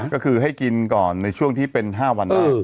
ก็คือให้กินก่อนในช่วงที่เป็น๕วัน